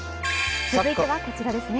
続いてはこちらです。